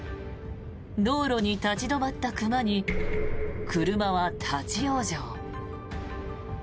道路に立ち止まった熊に車は立ち往生。